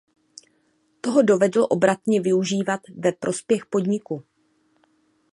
Toho dovedl obratně využívat ve prospěch podniku.